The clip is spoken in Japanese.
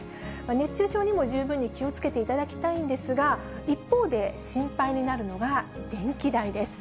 熱中症にも十分に気をつけていただきたいんですが、一方で、心配になるのが電気代です。